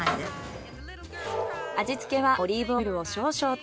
味付けはオリーブオイルを少々と。